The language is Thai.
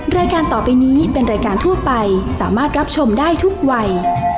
รายการต่อไปนี้เป็นรายการทั่วไปสามารถรับชมได้ทุกวัย